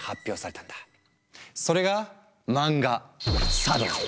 それが漫画「サ道」。